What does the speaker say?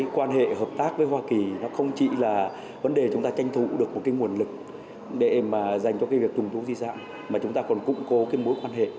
quan hệ hợp tác với hoa kỳ không chỉ là vấn đề chúng ta tranh thủ được một nguồn lực để dành cho việc trùng tu di sản mà chúng ta còn cụng cố mối quan hệ